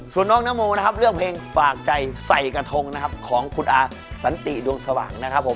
ส่วนน้องนโมนะครับเลือกเพลงฝากใจใส่กระทงนะครับของคุณอาสันติดวงสว่างนะครับผม